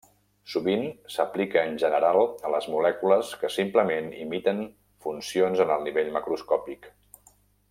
Sovint s'aplica en general a les molècules que simplement imiten funcions en el nivell macroscòpic.